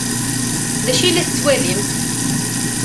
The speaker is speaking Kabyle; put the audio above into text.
D acu ay la tettwalimt?